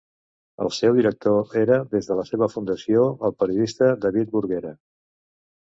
El seu director era des de la seva fundació el periodista David Burguera.